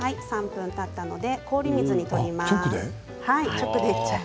３分たったので氷水に取ります。